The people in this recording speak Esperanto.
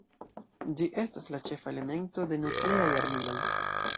Ĝi estas la ĉefa elemento de nukleaj armiloj.